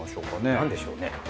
なんでしょうね？